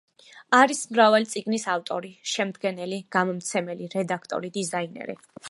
არის მრავალი წიგნის ავტორი, შემდგენელი, გამომცემელი, რედაქტორი, დიზაინერი.